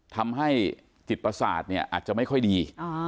ทำให้จิตประสาทเนี่ยอาจจะไม่ค่อยดี